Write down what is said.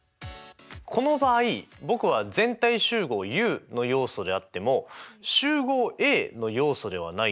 この場合僕は全体集合Ｕの要素であっても集合Ａの要素ではないってことですよね。